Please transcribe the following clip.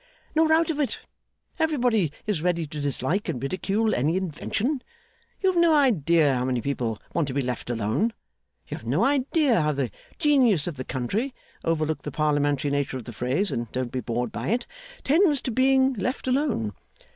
'Nor out of it. Everybody is ready to dislike and ridicule any invention. You have no idea how many people want to be left alone. You have no idea how the Genius of the country (overlook the Parliamentary nature of the phrase, and don't be bored by it) tends to being left alone.